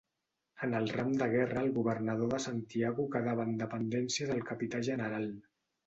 En el ram de guerra el governador de Santiago quedava en dependència del capità general.